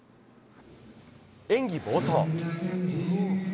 演技冒頭。